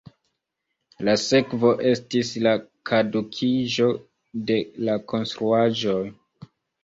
La sekvo estis la kadukiĝo de la konstruaĵoj.